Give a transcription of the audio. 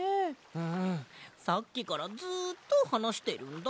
うんさっきからずっとはなしてるんだ。